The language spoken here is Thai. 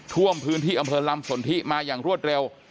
ท่วมพื้นที่อำเภอลำสนทิมาอย่างรวดเร็ว